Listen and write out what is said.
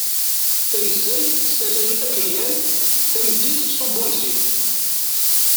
Tanezzayt ssalayen akenyal; tameddit ttsubbun-t-id.